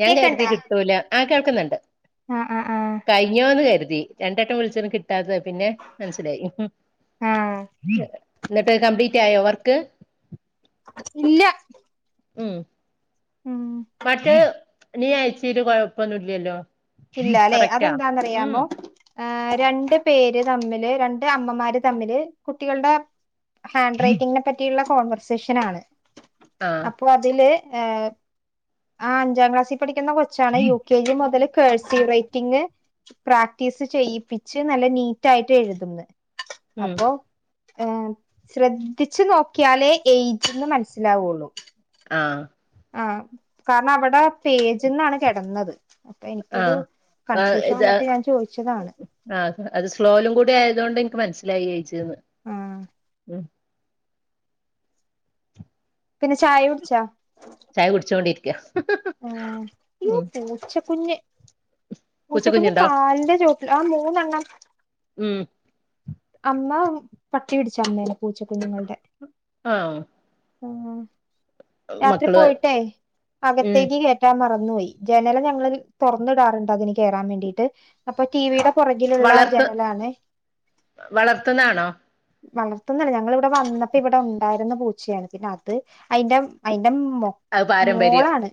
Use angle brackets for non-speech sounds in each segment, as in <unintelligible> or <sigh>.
ഞാൻ കരുതി കേക്കണ്ടാ കിട്ടൂല, ആ കേൾക്കുന്നുണ്ട്, ആഹ് ആഹ് ആഹ് കഴിഞ്ഞോന്ന് കരുതി ട്ടി രണ്ടെട്ടം വിളിച്ചിട്ടുംകി കിട്ടാത്തത് പിന്നെ മനസ്സിലായി ആഹ് എന്നിട്ട് കംപ്ലീറ്റ് ആയോ വർക്ക് ഇല്ല ഉം ഉം മറ്റേ നീ അയച്ചേന് കൊഴപ്പൊന്നുല്ലല്ലോ ഇല്ല ല്ലെ കറക്റ്റാ ഉം അതെന്താന്നറിയാമോ ആ രണ്ട് പേര് തമ്മില് രണ്ട് അമ്മമാര് തമ്മില് കുട്ടികൾടെ ഹാൻഡ് റൈറ്റിംഗിനെ പറ്റിള്ള കോൺവെർസേഷനാണ് ആഹ് അപ്പോ അതില് ഏ ആ അഞ്ചാം ക്ലാസി പഠിക്കുന്ന കൊച്ചാണ് യു കെ ജി മുതല് കേഴ്സിങ്‌ റൈറ്റിംഗ്പ്രാക്ടീസ് ചെയ്യിപ്പിച്ച് നല്ല നീറ്റായിട്ട് എഴ്ത്ന്ന് ഉം അപ്പൊ ഏ ശ്രദ്ധിച്ചു നോക്കിയാലേ ഏജ്ന്ന് മനസ്സിലാവുള്ളു ആഹ് ആ കാരണം അവടെ പേജിന്നാണ് കെടന്നത് ആഹ് ആ ഇത് ആ വന്നിട്ട് ഞാൻ ചോദിച്ചതാണ് അത് സ്ലോലും കൂടി ആയതോണ്ട് ഇൻക്ക് മൻസ്സില <unintelligible> ആഹ് <unintelligible> പിന്നെ ചായുട്ച്ചോ ചായ കുടിച്ചോണ്ടിരിക്കാ ആഹ് ഇയ്യോ പൂച്ച കുഞ്ഞ് പൂച്ചക്കുഞ്ഞ് പൂച്ചക്കുഞ്ഞുണ്ടോ കാല്ന്റെ ചോട്ട്ല് ആ മൂ മൂന്നെണ്ണം ഉം അമ്മാ പട്ടി പിടിച്ച് അമ്മേനെ പൂച്ച കുഞ്ഞ്ങ്ങള്ടെ ആഹ് ആഹ് രാത്രി മക്കള് പോയിട്ടേ അക ഉം ക്കാന് മറന്ന് പോയി ജനല് ഞങ്ങള് ഒര് തൊറന്ന്ടാറ്ണ്ട് അതിന് കേറാ വേണ്ടീട്ട് അപ്പൊ ഈ ടീവിടെ വളർത്ത് വളർത്തുന്നാണോ വളർത്തുന്നല്ല ഞങ്ങള് ഇവടെ വന്നപ്പെ ഇവടെ ഉണ്ടായിരുന്ന പൂച്ചയാണ് പിന്നെ അത് അയിന്റെ അയി ലെമ്മോ അത് പാരമ്പര്യം മോളാണ്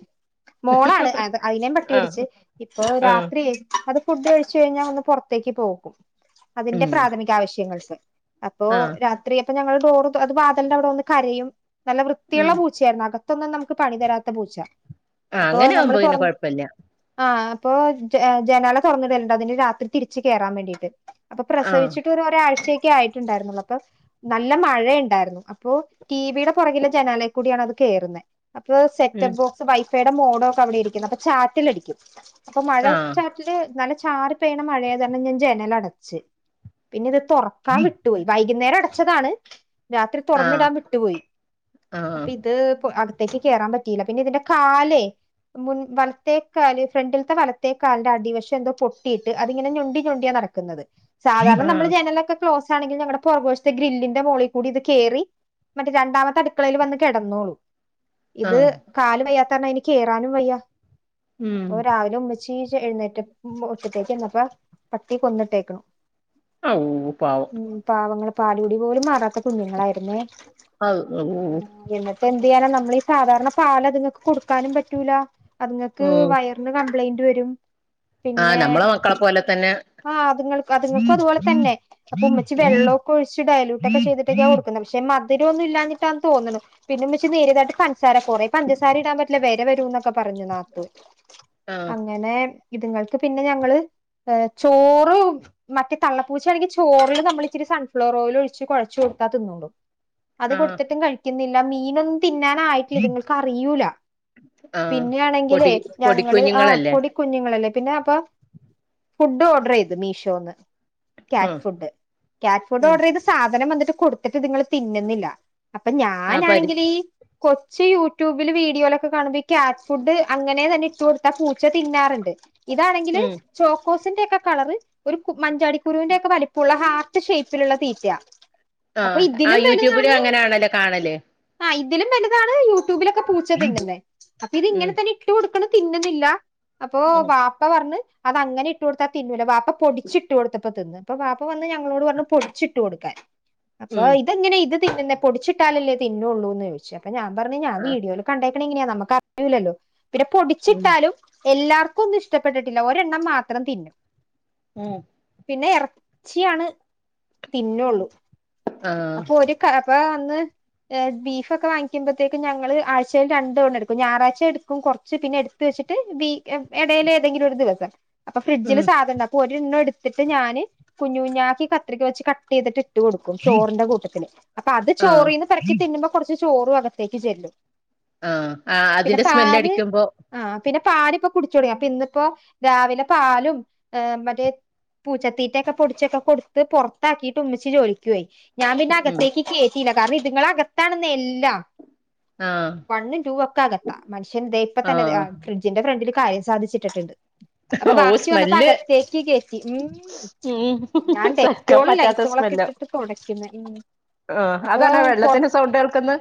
മോളാണ് അത് അയിനേം ആഹ് പട്ടികടിച്ച് ഇപ്പൊ ആഹ് രാത്രിയായി അത് ഫുഡ് കഴിച്ച് കഴിഞ്ഞാൽ ഒന്ന് പൊറത്തേക്ക് പോകും അതിന്റെ ഉം പ്രാഥമിക ആവശ്യങ്ങൾക്ക് അപ്പോ ആഹ് രാത്രി അപ്പൊ ഞങ്ങൾ <unintelligible> അത് വാതലിന്റെ അവിടെ വന്ന് കരയും നല്ല വൃത്തിയുള്ള ഉം പൂച്ചയായിരുന്നു ആക പ്പതന്നെ നമുക്ക് പണി തരാത്ത പൂച്ചാ ആ അങ്ങനെയാവുമ്പോ പിന്നെ കൊഴപ്പല്ല ഇപ്പൊ ജ ജനാല തൊറന്നിടേണ്ട് അതിന് രാത്രി തിരിച്ച് കയറാൻ വേണ്ടീയിട്ട് അപ്പൊ ആഹ് പ്രസവിച്ചിട്ട് ഒരു ഒരാഴ്ച്ചെയി ക്കെ ആയിട്ടുണ്ടായിരുന്നുള്ളു അപ്പൊ നല്ല മഴയിണ്ടായിരുന്നു അപ്പൊ ടിവിയുടെ പുറകിലെ ജനാലെ കൂടിയാണ് അത് കേറുന്നെ അപ്പൊ സെറ്റബോ ക്ക് വൈഫൈയുടെ മോഡോക്കെ അവിടേരിക്ക്ന്ന് അപ്പൊ ചാറ്റലടിക്കും അപ്പൊ ആഹ് മഴച്ചാറ്റല് നല്ല ചാറ് പെയ്യ്ണ മഴയതാരണം ഞാന് ജനലടച്ച് പിന്നൊരെ തൊറക്കാൻ വിട്ടോയി വൈകുന്നേരട ച്ചതാണ് രാത്രി ആഹ് തൊറന്നിടാൻ വിട്ടുപോയി ആഹ് അപ്പൊ ഇത്പ്പൊ അട തിരിച്ച് കേറാ പറ്റിയില്ല പിന്നെതിന്റെ കാലേ മുൻ വലത്തേക്കാല് ഫ്രണ്ടില്ത്തെ വലത്തേക്കാല്ന്റെ അടിവശം എന്തോ പൊട്ടിയിട്ട് അതിങ്ങനെ ഞൊണ്ടി ഞൊണ്ടിയാ നടക്ക്ന്നത് സാധാരണ നമ്മള് ആഹ് ജനലൊക്കെ ക്ലോസ് ആണെങ്കിൽ ഞങ്ങള്ടെ പൊറക് വശത്തെ ഗ്രില്ലിന്റെ മോളിൽ കൂടി ഇത് കേറി മറ്റേ രണ്ടാമത്തെ അടുക്കളേൽ വന്ന് കെടന്നോളും ഇത് ആഹ് കാല വയ്യാതാരണം അയിന് കേറാനും വയ്യ ഉം അപ്പൊ രാവിലെ ഉമ്മ ഷീജ എഴുന്നേറ്റ മുറ്റത്തേക്ക് വന്നപ്പോ പട്ടി കൊന്നിട്ടേക്ക്ണു ആ ഊ പാവം പാലുടി പോലും മാറാ കുഞ്ഞുങ്ങളാര്ന്നെ ഔ ഔ ആ എന്നിട്ടെ ന്തയ്യാനാ നമ്മള് ഈ സാധാരണ പാലൊക്കെങ്ങെക്കൊ കൊട്ക്കാനും പറ്റൂല അത്ങ്ങൾക്ക് ഉം വയറിന് ക പ്ലെെന്റ് വരും ആഹ് പിന്നെ നമ്മളെ മക്കളെ പോലെ തന്നെ ആ അതുങ്ങൾ അതുങ്ങൾക്ക് അതുപോലെ തന്നെ അപ്പൊ ഉമ്മച്ചി വെള്ളൊക്കെ ഒഴിച്ച് ഡയലൂട്ടൊക്കെ ചെയ്തിട്ടൊക്കെയ കൊട്ക്ക്ന്നത് പക്ഷെ മ ന്നിലോ ന്നില്ലാഞ്ഞിട്ടാന്ന് തോന്നുണു പിന്നെ <unintelligible> സാര കൊറേ കണ്ടിസ് പറ്റ്ല വെര വരൂ ന്നൊക്കെ പറഞ്ഞു നാത്തൂൻ ആഹ് അങ്ങനെ ഇതുങ്ങൾക്ക് പിന്നെ ഞങ്ങള് എ ചോറ് മറ്റേ തള്ളപ്പൂച്ചയാണെങ്കി ചോറില് നമ്മൾ ഇച്ചിരി സൺഫ്ലവർ ഓയിൽ ഒഴിച്ച് കുഴച്ച് കൊടുത്താ തിന്നോള്ളൂ അത് ആഹ് കൊടുത്തിട്ടും കഴിക്കുന്നില് ന മീനൊ ന്ന് തിന്നാനായിട്ടില്ല ത്ങ്ങൾ കാ അറിയൂല ആഹ് പിന്നെ ആണെങ്കില് പൊടി ഞങ്ങള് ആ പൊടിക്കുഞ്ഞുങ്ങളല്ലേ പൊടിക്കുഞ്ഞുങ്ങളെല്ലേ പിന്നെ അപ്പൊ ഫുഡ് ഓർഡർ യ്തു മീഷോന്ന് ഉം കാറ്റ് ഫുഡ് കാറ്റ് ഫുഡ് ഉം ഓർഡർ ചയ്ത് സാധനം വന്നി കൊടുത്തിട്ട് ത്ങ്ങള് തിന്നുന്നില്ല അപ്പൊ ആഹ് പരി ഞാനാണെങ്കിലീ കൊച്ച് യു ട്യൂബിൽ വീഡിയോയിലൊക്കെ കാണുമ്പോ ഈ കാറ്റ് ഫുഡ് അങ്ങനെ തന്നെ ഇട്ട് കൊടുത്താ പൂച്ച തിന്നാറുണ്ട് ഇതാണെങ്കില് ഉം ചോക്കോസ് സിൻ്റെ ക്കെ കളറ് ഒരു പു മഞ്ചാടി കുരുവിന്റെ ഒക്കെ വലിപ്പുള്ള ഹാർട്ട് ഷേപ്പിലുള്ള തീറ്റയ ആ ആ യൂട്യൂബില് അങ്ങനൊണല്ലോ കാണല് ആഹ് ഇതിലും വലുതാണ് യൂ ട്ട്യുബിലൊക്കെ പൂച്ച തിന്നുന്നെ അപ്പൊ ഇത് ഇങ്ങനെ ഉം തന്നെ ഇട്ട് കൊടു ക്കണു തിന്നുന്നില്ല അപ്പൊ ഉം വാപ്പ പറഞ്ഞ് അത് അങ്ങനെ ഇട്ടു കൊടുത്താ തിന്നൂല വാപ്പ പൊടിച്ചിട്ടു കൊടുത്തപ്പോ തിന്ന് അപ്പ വാപ്പ വന്ന് ഞങ്ങളോട് പറഞ്ഞു പൊടിച്ചു ഇട്ട് കൊടുക്കാൻ അപ്പൊ ഉം ഇതെങ്ങനെ ഇത് തിന്നുന്നെ പൊടിച്ചിട്ടാലല്ലേ നിന്നോളൂന്ന് ചോദിച്ചു അപ്പ ഞാൻ പറഞ്ഞ് ഞൻ ആഹ് വീഡോയിൽ കണ്ടേ ക്നെ ങ്ങിനെയാ നമക്ക് അറിയൂലല്ലോ പിന്നെ ഉം പൊടിച്ചിട്ടാലും എല്ലാർക്കും ഒന്നും ഇഷ്ടപ്പെട്ടിട്ടില്ല ഒരെണ്ണം മാത്രം തിന്നും ഉം പിന്നെ എർച്ചിയാണ് തിന്നൊള്ളൂ അപ്പൊ ഒരു കഴ പ്പയേ വന്ന് എ ബീഫ് ഒക്കെ വാങ്ങിക്കുമ്പ ത്തേക്കും ഞങ്ങൾ ആഴ്ചയിൽ രണ്ട് വണ എടുക്കും ഞായറാഴ്ച എടുക്കും കുറച്ച് പിന്നെ എടുത്ത് വെച്ചിട്ട് പി ഇടയില് ഏതെങ്കിലും ഒരു ദിവസം അപ്പ ഉം ഫ്രിഡ്ജ്ല് സാധനം അപ്പൊ ഓല് ഇന്ന് ഇട് ത്തിട്ട് ഞാന് കുഞ്ഞ് കുഞ്ഞാക്കി കത്രിക വെച്ച് കട്ടെയ്തിട്ട് ഇട്ട് കൊടുക്കും ചോറിന്റെ കൂട്ടത്തില് അപ്പ അത് ആഹ് ചോറിന്ന് പെറക്കി തിന്നുമ്പോ കൊറച്ച് ചോറും അക ത്തേക്ക് ചെല്ലും ആഹ് ആഹ് പിന്നെ അതിന്റെ സ്മെല്ല പാല് അടിക്കുമ്പോ ആഹ് പിന്നെ പാലിപ്പൊ കുടിച്ച് തൊടങ്ങി അപ്പ ഇന്ന് ഇപ്പോ രാവിലെ പാലും എഹ് മറ്റേ പൂച്ചത്തീറ്റൊക്കെ പൊടിച്ചൊക്കെ കൊട്ത്ത് പൊർത്താക്കിട്ട് ഉമ്മെച്ചി ചോയിക്കൊയ് ഞാൻ പിന്നെ ഉം അകത്തേക്ക് കേറ്റിയില്ലാ കാരണം ഇതുങ്ങളെ അകത്താണെന്നെ എല്ലാം ആഹ് വണ്ണും ടൂവും ഒക്കെ അകത്താ മനുഷ്യൻ ഇതെ ഇപ്പത്തെന്നെ ഇതെ ആ ആഹ് ഫ്രിഡ്ജിന്റെ ഫ്രണ്ടിൽ കാര്യം സാധിച്ച് ഇട്ടിട്ട് ഇണ്ട് ഓ സ്മെല്ല് കേറ്റി ഉം ഉം ഞാൻ സഹിക്കാൻ ഡെറ്റോളും പറ്റാത്ത ലൈസോളൊക്കെ സ്മെല്ലാണ് ഇട്ടിട്ട് തുടയ്ക്കുന്നെ ഉം ആ അപ്പൊ അതാണാ വെള്ളത്തിൻ്റെ സൗണ്ട് കേൾക്ക്ന്നെ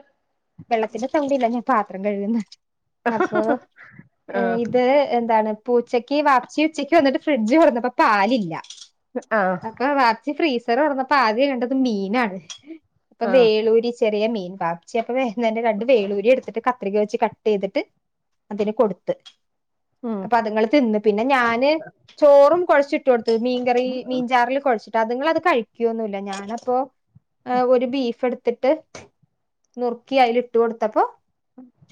വെള്ളത്തിൻ്റെ സൗണ്ട് ഇല്ലെ അത് ഞാൻ പാത്രം കഴ്ക്ന്നാ അപ്പൊറം ഏഹ് ആഹ് ഇത് എന്താണ് പൂച്ചയ്ക്ക് വാപ്പിച്ചി ഉച്ചക്ക് വന്നട്ട് ഫ്രിഡ്ജ് കൊടന്നുപ്പ പാലില്ല ആഹ അപ്പൊ വാപ്ച്ചി ഫ്രീസർ തുറന്നപ്പ ആദ്യ കണ്ടത് മീനാണ് ഇപ്പൊ ആഹ് വേളൂരി ചെറിയ മീൻ <unintelligible> ഇന്ന് രണ്ട് വേളൂരി എടുത്തിട്ട് കത്രിക വെച്ച് കട്ട് ചെയ്തിട്ട് അതിന് കൊടുത്ത് ഉം അപ്പൊ അതുങ്ങള് തിന്ന് പിന്നെ ഞാന് ചോറും കുയച്ചിട്ട് കൊടുത്ത മീൻകറി മീൻചാറിൽ കുഴിച്ച അതുങ്ങൾ അത് കഴിക്കുവൊന്നുമല്ല ഞാനപ്പോ ആ ഒരു ബീഫ് എടുത്ത് ഇട്ട് മ് അയില ഇട്ട് കൊടുത്തപ്പോ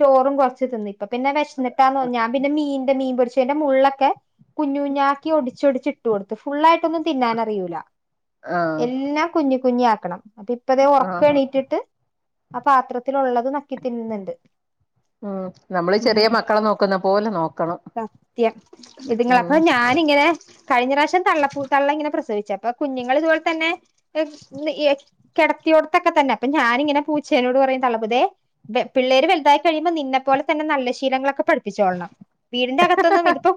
ചോറും കുറച്ച് തന്ന അപ്പ പിന്നെ വിശന്നിട്ടാന്ന് ഞാൻ പിന്ന മീന്റെ മീൻ പൊരിച്ച് ന്റെ മുള്ളൊക്കെ കുഞ്ഞുകുഞ്ഞക്കി ടച്ചോടിച്ചട്ട് കൊടുത്ത് ഫുൾ ആയിട്ടൊന്നും തിന്നാൻ അറിയൂല്ല ആഹ് എല്ലാം കുഞ്ഞ കുഞ്ഞാക്കണം ഇപ്പ അതേ ആഹ് ഉറക്കവെണീറ്റിട്ട് ആ പാത്ര ള്ളത് നക്കി തിന്നനണ്ട് ഉം നമ്മള് ചെറിയ മക്കളെ നോക്കുന്ന പോലെ നോക്കണം സത്യം ഇതുങ്ങ ഉം അപ്പൊ ഞാനിങ്ങനെ കഴിഞ്ഞ പ്രാവശ്യം തള്ളപ്പ തള്ളം ഇങ്ങനെ പ്രസവിച്ച അപ്പൊ കുഞ്ഞുൾ ഇതുപോലെ തന്നെ കിടത്തിയോടത്തൊക്കെ തന്നെ അപ്പൊ ഞാനിങ്ങനെ പൂച്ചേനോട് പറയ <inaudible> പിള്ളേര് വലുതായി കഴിയുമ്പോ നിന്നെ പോലെ തന്നെ നല്ല ശീലങ്ങളൊക്കെ പഠിച്ചോളണം വീടിന്റെ അകത്തൊന്നും ഇതിപ്പം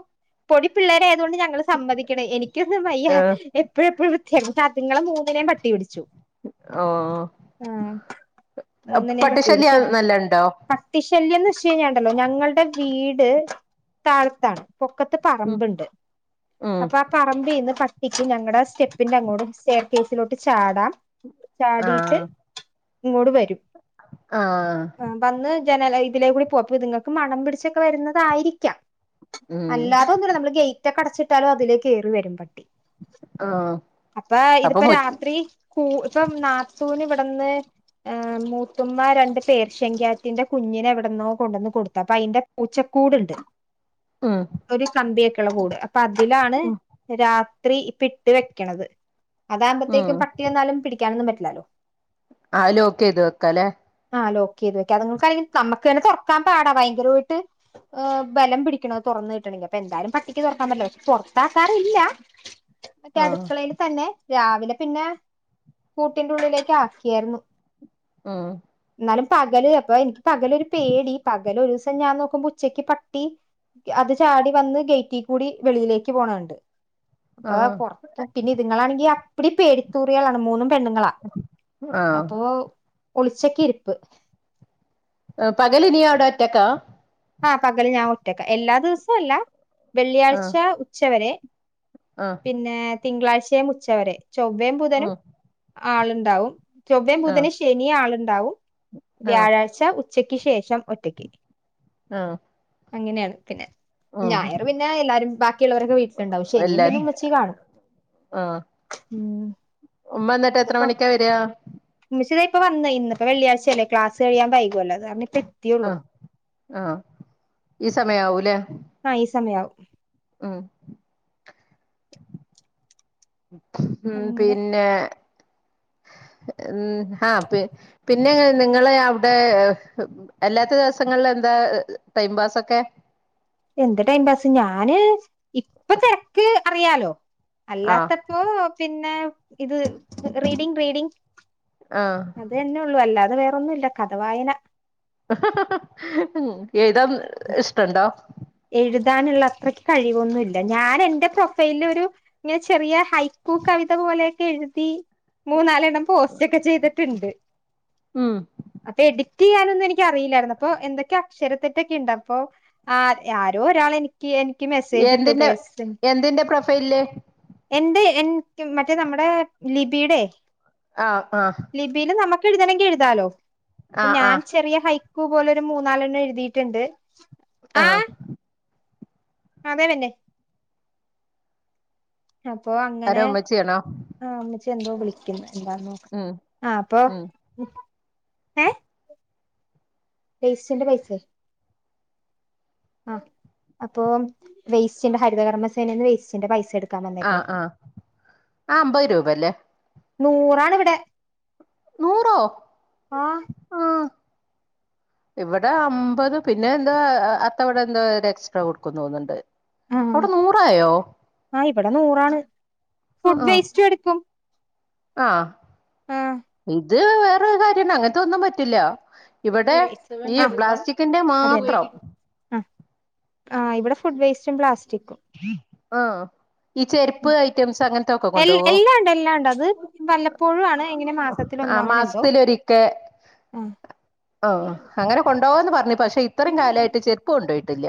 പൊടി പിള്ളേ ണ്ട് ഞ സമ്മതിക്ക എനിക്ക വയ്യ ഏഹ് എപ്പോഴ എപ്പോഴും വൃത്തിയാക്കി ഞങ്ങളെ പട്ടി കടിച്ചു ഓ മൂന്നിനേം പട്ടി ശല്യം നല്ല ഉണ്ടോ ന്ന് വ കഴിഞ്ഞാണ്ടല്ലോ ഞങ്ങളുടെ വീട് താഴത്താണ് പൊക്കത്ത് ഉം പറമ്പുണ്ട് ഉം അപ്പൊ ആ പറമ്പ്ന്ന് പ ഇക്കും ഞങ്ങടെ സ്റ്റെപ്പിന്റെ അങ്ങോടും സ്റ്റെർകേസിലോട്ട് ചാടാം ചാടിട്ട് ആഹ് ഇങ്ങോട് വരും ആഹ് വന്ന് ജനല ഇതിലെ കൂടി പോയപ്പോ ഇത്ങ്ങെക്ക് മണം പിടിച്ചൊക്കെ വെരുന്നതായിരിക്കാം ഉം അല്ലാതെ ഒന്നുല്ല നമ്മെൾ കെഴി ഒറ്റക്ക് അട്ച്ചിട്ടാലും അതിലേക്ക് കേറി വെരും പട്ടി ആഹ് അപ്പോ അപ്പൊ ഇതിപ്പൊ മു രാത്രി കു ഇപ്പം നാത്തൂന് ഇവട്ന്ന് ഏഹ് മൂ ത്തുമ്മാ രണ്ട് പേർഷ്യൻ ക്യാറ്റിന്റെ കുഞ്ഞിനെ എവിടെന്നോ കൊണ്ടുവന്ന് കൊടുത്തു അപ്പൊ അയ്ന്റെ പൂച്ചക്കൂടുണ്ട് ഉം ഒരു കമ്പിയെ ട്ടികളെ കൂടെയാ പ്പ അതിലാണ് രാ ത്രി ഇപ്പ ഇട്ട് വെക്ക്ണത് ഉം അതാമ്പത്തേക്കും പട്ടി വന്നാലും പിടിക്കാനൊന്നും പറ്റ ല്ലാലോ ആ അത് ലോക്ക് ചെയ്ത് വെക്കല്ലേ ആ ലോക്കെയ്ത് വെയ്ക്ക അത്ങ്ങക്കയ്ൻ നമ്മക്ക് തന്നെ തൊറക്കാൻ പാടാ ഭയങ്കരോയിട്ട് ആ ബലം പിടിക്കണം തൊറന്ന് കിട്ടണെങ്കി അപ്പം എന്തായാലും പട്ടിക്ക് തൊറക്കാൻ പറ്റില്ല പൊറത്താക്കാറില്ല മറ്റേ ആഹ് അടുക്കളയില് തന്നെ രാവിലെ പിന്നെ കൂട്ടിന്റെ ഉള്ളിലേക്ക് ആക്കിയാരുന്നു ഉം ന്നാലും പകല് അപ്പൊ എനിക്ക് പകലൊരു പേടി പകല് ഒരുസം ഞാൻ നോക്കുമ്പോ ഉച്ചക്ക് പട്ടി അത് ചാടി വന്ന് ഗേറ്റി കൂടി വെളിയിലേക്ക് പോണകണ്ട് അപ്പ ആഹ് പൊറത്തും പിന്നെ ഇതുങ്ങളാണെങ്കി അ പ്പിടി പേടിത്തൂറിയാളാണ് മൂന്നും പെണ്ണുങ്ങളാ ആഹ് അപ്പോ ഒളിച്ചക്ക ഇരിപ്പ് പകലിനിയാ അവിട അറ്റക്കാ ആഹ് പകല് ഞാൻ ഒറ്റക്കാ എല്ലാ ദിവസം അല്ല വെള്ളിയാഴ്ച ആഹ് ഉച്ചവരെ ആഹ് പിന്നേ തിങ്കളാഴ്ചയും ഉച്ചവരെ ചൊവ്വയും ബുധനും ഉം അ ആളുണ്ടാവും ചൊവ്വയും ആഹ് ബുധന് ശനി ആളുണ്ടാവും ആഹ് വ്യാഴാഴ്ച ഉ ഉച്ചയ്ക്ക് ശേഷം ഒറ്റക്ക് ആഹ് അങ്ങനെയാണ് പിന്നെ ഉം ഞായറ് പിന്നെ എല്ലാരും ബാക്കിയൊള്ളവരൊക്കെ വീട്ടില്ണ്ടാവും ശനിയും പിന്നെ എല്ലാരും ഉ ച്ചി കാണും ഉം ഉമ്മാ എന്നിട്ട് എത്ര ഇതിപ്പോ മണിക്കാ വെര്യാ ഉമ്മച്ചി ദേ ഇപ്പം വന്ന് ഇന്ന് ഇപ്പം വെള്ളിയാഴ്ചയല്ലേ ക്ലാസ് കഴിയാൻ വൈ ആഹ് ആഹ് ഈ സമയാവൂല്ലേ ആഹ് ഈ സമയാവും ഉം ഉം അങ്ങനെ പിന്നേ ഉം ആഹ് പി പിന്നെ നിങ്ങളെ അവിടെ ഏഹ് അല്ലാത്ത ദെവസങ്ങളില് എന്താ ഏഹ് ടൈം പാസക്കെ എന്ത് ടൈം പാസ് ഞാന് ഇപ്പം തെരക്ക് അറിയാലോ ആഹ് അല്ലാത്തപ്പോം പിന്നെ ഇത് റീഡിഗ് റീഡിഗ് ആഹ് അത് തന്നെ ഒള്ളൂ അല്ലാ വേറൊന്നും ഇല്ല കഥ വായന ഉം എഴുതാം ഉം ഇഷ്ടെണ്ടോ എഴുതാനെള്ള അത്രയ്ക്ക് കഴിവൊന്നുവില്ല ഞാൻ എന്റെ പ്രൊഫൈല് ഒരു ഇങ്ങനെ ചെറിയ ഹൈക്കു കവിത പോലെയൊക്കെ എഴുതി മൂന്നാലെണ്ണം പോസ്റ്റ് ഒക്കെ ചെയ്ത്ട്ടണ്ട് ഉം അപ്പൊ എഡി റ്റ് ചെയ്യാനൊന്നും എനിക്ക് അറിയില്ലാര്ന്നു അപ്പൊ എന്തൊക്കെ അക്ഷരത്തെറ്റൊക്കെ ഇണ്ട് അപ്പോ ആഹ് ഏഹ് ആരോ ഒരാള് എനിക്ക് ഇട്ടു എന്തിൻ്റെ പേഴ്സൺ എന്തിൻ്റെ പ്രൊഫൈലില് എന്റെ എന് റ്റ് മറ്റേ നമ്മടെ ലിബിടെ ആഹ് ആഹ് എഴുതണെങ്കി എഴുതാലോ ആഹ് ഞാൻ ആഹ് ചെറിയ ഹൈ പ്പു പോലൊര് മൂന്നാലെണ്ണം എഴ്തീട്ട്ണ്ട് ആഹ് അതെ പിന്നെ അപ്പൊ ആരാ അങ്ങനെ ഉമ്മച്ചിയാണോ ആഹ് ഉമ്മച്ചി എന്തോ വിളിക്ക്ന്ന് എന്താ നോക്ക ഉം ആഹ് അപ്പൊ ഉം ഏഹ് പൈസന്റ പൈസെ ആഹ് അപ്പോ വേസ്റ്റ്ന്റെ ഹരിത കർമ സേനേന്ന് വേസ്റ്റ്ന്റെ പൈസ എട് ആഹ് ആഹ് ആഹ് അമ്പത് രൂപല്ലേ നൂറാണ് ഇവിടെ നൂറോ ആഹ് ആഹ് ഇവിടെ അമ്പത് പിന്നെ എന്തൊ ആഹ് അത്ത ഇവടെ എന്തൊ ഒരു എക്സ്ട്രാ കൊടുക്കും തോന്ന്ണ്ട് ആഹ് ആ ഇവിടെ നൂറാണ് ആഹ് ഫുഡ് ആഹ് വേസ്റ്റും എടുക്കും ആഹ് ആ <inaudible> ഇത് വേറൊരു കാര്യണ്ട് അങ്ങൻത്തൊന്നും പറ്റില്ല ഇവിടെ ഈ ആ പ്ലാസ്റ്റിക്കിന്റെ അതന്നെ മാത്രം ആ ആ ഇവിടെ ഫുഡ് വേസ്റ്റും പ്ലാസ്റ്റിക്കും ആഹ് ഈ ചെരുപ്പ് ഐറ്റംസ് അങ്ങൻത്തൊക്കെ എൽ കൊണ്ടോവോ എല്ലാം ഉണ്ട് എല്ലാം ഉണ്ട് അത് വല്ലപ്പോഴും ആണ് ഇങ്ങനെ ആ മാസത്തിലൊന്നോ അങ്ങനെ എന്തോ മാസത്തിലൊരിക്കെ ആ ആ അങ്ങനെ കൊണ്ടുപോവുംന്ന് പറഞ് പക്ഷെ ഇത്രയും കാലായിട്ട് ചെരുപ്പ് കൊണ്ടോയിട്ടില്ല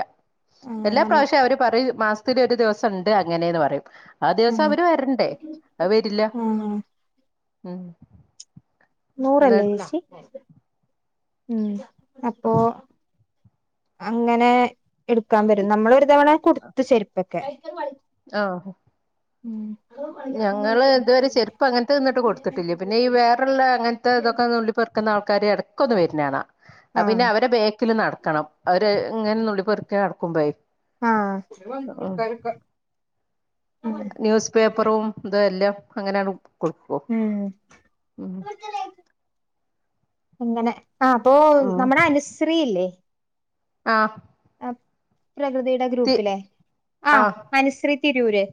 ആ എല്ലാ നമ്മ പ്രാവശ്യവും അവര് പറയും മാസ് ത്തില് ഒരു ദിവസണ്ട് അങ്ങനെന്ന് പറയും ആ ദിവസം അവര് വരണ്ടേ അത് വരില്ല ആ ഉം ന്ന് നൂറല്ലേ ഏച്ചി ഉം അപ്പൊ അങ്ങനെ എടുക്കാൻ വെരും നമ്മളൊരു തവണ കൊടുത്തു ചെരിപ്പൊക്കെ ആഹ് ഉം ഞങ്ങള് ഇതുവരെ ചെരുപ്പ് അങ്ങൻത്തെ ഇന്നിട്ട് കൊട്ത്തിട്ടില്ല പിന്നെ ഈ വേറള്ളേ ഇങ്ങൻത്തെ ഇതൊക്കെ നുള്ളിപെർക്ക്ന്ന ആൾ ക്കാര് ഇടക്കൊന്ന് വര്ന്നാണാ അതു ആ പിന്നെ അവരെ ബേക്കില് നടക്കണം അവര് ഇങ്ങനെനുള്ളി പെറുക്കി നടക്കുംപേയ് ആഹ് <unintelligible> ന്യൂസ് പേപ്പറും ഇതെ എല്ലാം അങ്ങനെയാണ്ടു കൊടുക്കും ഉം ഉം അങ്ങനെ ആ അപ്പൊ നമ്മുടെ അനസ്രില്ലേ ആഹ് പ്രകൃതിയുടെ തി ഗ്രൂപ്പിലെ ആ ആഹ് അനുസ്രീ തിരൂര്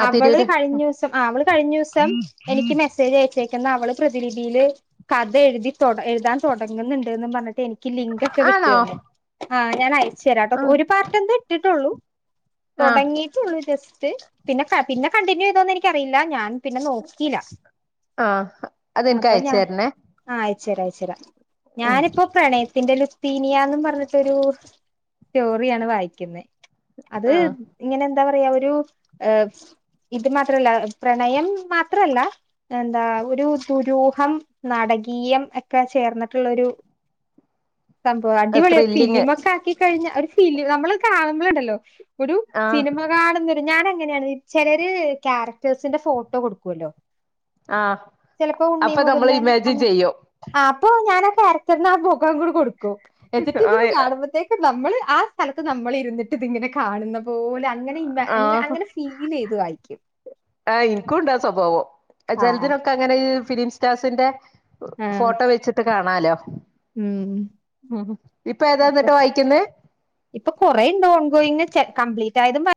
ആഹ് അവള് തിരൂര് കഴിഞ്ഞൂസം ആ അവള് കഴിഞ്ഞൂസം എനിക്ക് മെസ്സേജ് അയച്ച് തേക്കുന്ന അവള് പ്രതിലിപിയില് കഥ എഴുതി തൊട എഴുതാൻ തൊടങ്ങുന്നുണ്ട്ന്ന് പറഞ്ഞിട്ട് എനി ക്ക് ലിങ്കൊക്കെ വിട്ട് ആണോ തന്ന്‌ ആഹ് ഞാനായി ശരാട്ടോ ആഹ് ഒരു പാർട്ടറ്റെ ഇട്ടിട്ടുള്ളൂ ആഹ് തുടങ്ങിട്ടുള്ളൂ ജസ്റ്റ് പിന്നെ പിന്നെ കണ്ടിന്യൂ ചെയ്തോന്ന് എനിക്കറിയില്ല ഞാൻ പിന്നെ നോക്കില ആഹ് അതെനിക്ക് അപ്പൊ അയച്ചു ഞാൻ തരണേ ആഹ് ച്ചര ച്ചരാ ഉം ഞാനിപ്പോ പ്രണയ തിന്റെ ലുത്തീനിയ ന്ന് പറഞ്ഞിട്ടൊരു സ്റ്റോറിയാണ് വായിക്കുന്നെ അത് ആഹ് ഇങ്ങനെ എന്താ പറയയാ ഒരു ഏ ഇത് മാത്രല്ല പ്രണയം മാത്രല്ല എന്താ ഒരു ദുരൂഹം നാടകീയം ഒക്കെ ചേർന്നിട്ട്ള്ളരു സംഭവം അത് അടിപൊളിയ ത്രില്ലിങ് ഫിലിമൊക്കെ ആക്കി കഴിഞ്ഞ ഒരു ഫീല് നമ്മള് കാണുമ്പള് ണ്ടല്ലോ ഒരു ആഹ് സിനിമ കാണുന്ന ഞാന് എങ്ങനെയാണ് ചിലര് ക്യാരക്ടേഴ്സിന്റെ ഫോട്ടോ കൊടുക്കുവല്ലോ ആഹ് ചിലപ്പോ ഉണ്ണി അപ്പൊ നമ്മള് മുകുന്ദൻ അ ഇമാജിൻ ചെയ്യും ആഹ് അപ്പൊ ഞാന കാരക്റ്ററിന് ആഹ് മുഖം കൂ കൊട് ക്കോ എത്തിട്ട് ഇതിപ്പം ആഹ് കാണുമ്പത്തേ നമ്മള് ആ സ്ഥലത്ത് നമ്മള് ഇരുന്നിട്ട് ഇതിങ്ങനെ കാണണം ആഹ് ചെയ്ത് വായിക്കും ആ ഇൻക്കുണ്ടാ സ്വഭാവം ആ ചെലതിനൊക്കെ അങ്ങനെ ഫിലിം സ്റ്റാസിന്റെ ആ ഫോട്ടോ വെച്ചിട്ട് കാണാലോ ഉം ഉം ഇപ്പൊ ഏതാ അപ്പ എന്നിട്ട് വായിക്കുന്നേ ഇപ്പൊ കൊറേണ്ട് ഓൺഗോയിങ് കംപ്ലീറ്റ് റ്റായതും <unintelligible>